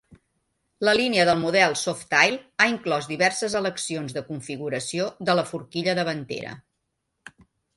La línia del model Softail ha inclòs diverses eleccions de configuració de la forquilla davantera.